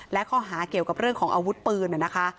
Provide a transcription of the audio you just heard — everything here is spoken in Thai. และข้อหาเกี่ยวกับเรื่องของอาวุธปืนนะคะ